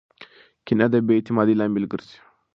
کینه د بې اعتمادۍ لامل ګرځي.